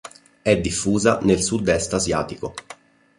È diffusa nel Sud-est asiatico.